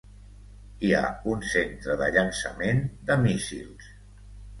Hi ha un centre de llançament de míssils.